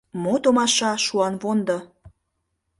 Мо томаша — шуанвондо